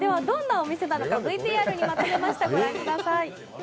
どんなお店なのかＶＴＲにまとめました。